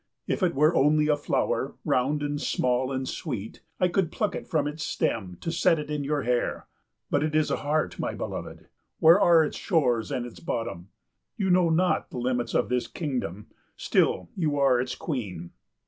If it were only a flower, round and small and sweet, I could pluck it from its stem to set it in your hair. But it is a heart, my beloved. Where are its shores and its bottom? You know not the limits of this kingdom, still you are its queen.